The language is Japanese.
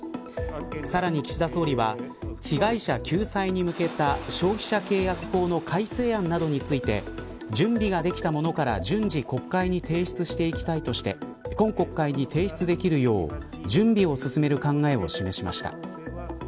さらに岸田総理は被害者救済に向けた消費者契約法の改正案などについて準備ができたものから順次国会に提出していきたいとして今国会に提出できるよう準備を進める考えを示しました。